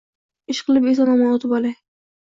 Ishqilib eson-omon oʻtib olay